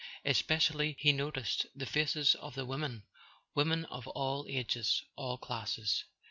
Espe¬ cially he noticed the faces of the women, women of all ages, all classes.